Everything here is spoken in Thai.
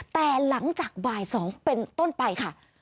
แต่หลังจากบ่าย๒เป็นต้นไปค่ะ